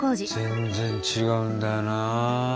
全然違うんだよな。